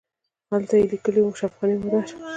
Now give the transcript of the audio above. هلته یې لیکلي وو شفاخانه مادر.